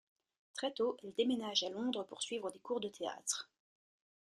Très tôt, elle déménage à Londres pour suivre des cours de théâtre.